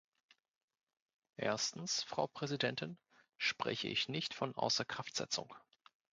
Erstens, Frau Präsidentin, spreche ich nicht von Außerkraftsetzung.